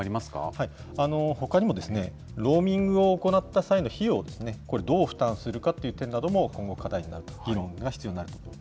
ほかにも、ローミングを行った際の費用ですね、これ、どう負担するかという点なども今後、課題になると、議論が必要になると。